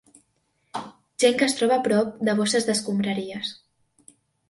Gent que es troba a prop de bosses d'escombraries.